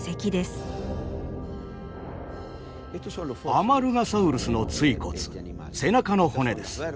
アマルガサウルスの椎骨背中の骨です。